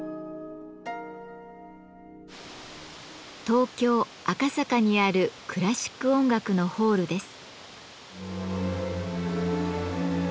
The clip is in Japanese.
東京・赤坂にあるクラシック音楽のホールです。